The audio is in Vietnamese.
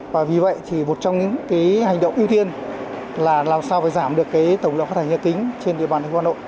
và vì vậy thì một trong những hành động ưu tiên là làm sao giảm được tổng lượng khóa thải nha kính trên địa bàn thành phố hà nội